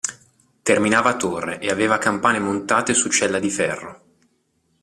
Terminava a torre e aveva campane montate su cella di ferro.